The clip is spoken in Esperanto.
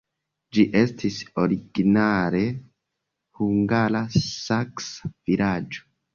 Ĝi estis originale hungara-saksa vilaĝo.